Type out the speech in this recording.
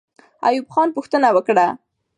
ایوب خان پوښتنه وکړه.